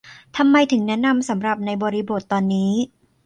ทำไมถึงแนะนำสำหรับในบริบทตอนนี้